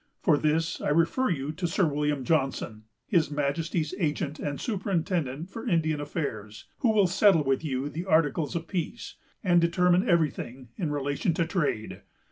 For this, I refer you to Sir William Johnson, his Majesty's agent and superintendent for Indian affairs, who will settle with you the articles of peace, and determine every thing in relation to trade.